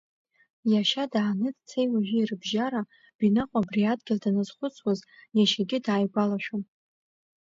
Иашьа дааны дцеи уажәи рыбжьара, Бинаҟә абри адгьыл даназхәыцуаз, иашьагьы дааигәалашәон.